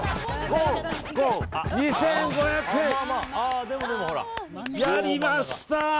２５００円！やりました！